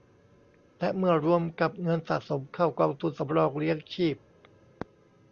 และเมื่อรวมกับเงินสะสมเข้ากองทุนสำรองเลี้ยงชีพ